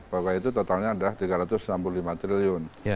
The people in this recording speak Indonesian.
bahwa itu totalnya adalah rp tiga ratus enam puluh lima triliun